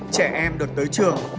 trẻ em được tới trường